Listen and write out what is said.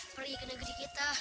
pergi ke negeri kita